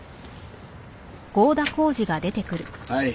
はい。